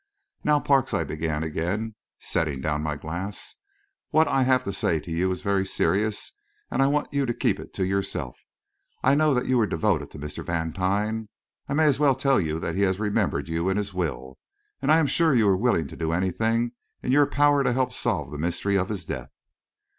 "Now, Parks," I began again, setting down my glass, "what I have to say to you is very serious, and I want you to keep it to yourself: I know that you were devoted to Mr. Vantine I may as well tell you that he has remembered you in his will and I am sure you are willing to do anything in your power to help solve the mystery of his death."